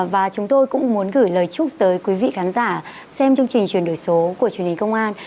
và chúng tôi cũng muốn gửi lời chúc tới quý vị khán giả xem chương trình chuyển đổi số của truyền hình công an